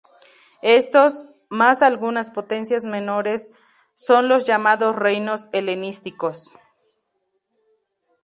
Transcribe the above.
Estos, más algunas potencias menores, son los llamados reinos helenísticos.